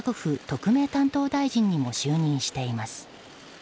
特命担当大臣にも就任しています。